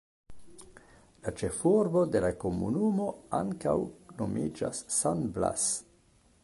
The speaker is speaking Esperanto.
La ĉefurbo de la komunumo ankaŭ nomiĝas San Blas.